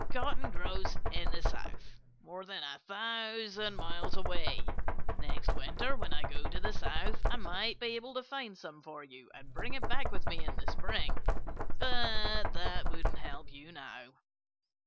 Cotton grows in the South, more than a thousand miles away. Next winter when I go to the South I might be able to find some for you, and bring it back with me in the spring. But that wouldn't help you now."